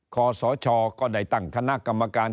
ขอสชก็ได้ตั้งคณะกรรมการ